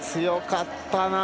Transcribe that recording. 強かったな。